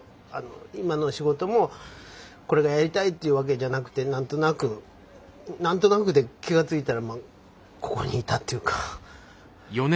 今の仕事もこれがやりたいっていうわけじゃなくて何となく何となくで気が付いたらここにいたっていうか。